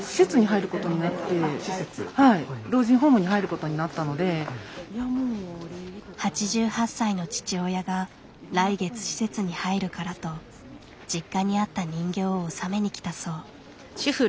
今まで８８歳の父親が来月施設に入るからと実家にあった人形を納めに来たそう。